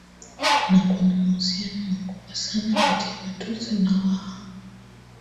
Na kuna mahususiano makubwa sana kati ya Watusi na Waha